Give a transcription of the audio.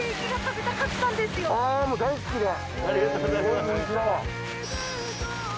大好きで？